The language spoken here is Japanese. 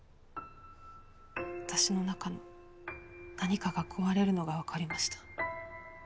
私の中の何かが壊れるのがわかりました。